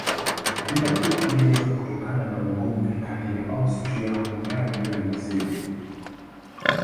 Vita Kuu ilianza kutokana na ugomvi kati ya Austria-Hungaria na Serbia.